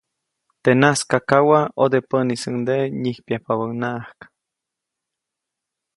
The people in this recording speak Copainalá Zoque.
Teʼ najskakawa, ʼodepäʼnisuŋdeʼe nyijpyajpabäʼnaʼajk.